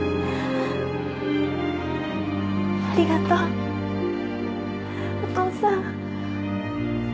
ありがとうお父さん。